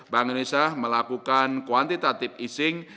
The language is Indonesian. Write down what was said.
bank indonesia melakukan kuantitative easing